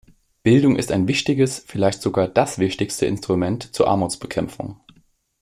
Bildung ist ein wichtiges, vielleicht sogar das wichtigste Instrument zur Armutsbekämpfung.